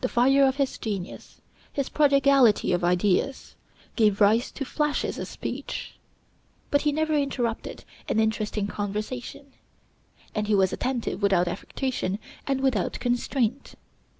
The fire of his genius, his prodigality of ideas, gave rise to flashes of speech; but he never interrupted an interesting conversation; and he was attentive without affectation and without constraint.